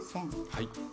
はい。